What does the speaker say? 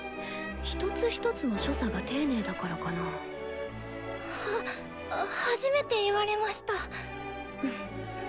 一つ一つの所作が丁寧だからかな。は初めて言われました。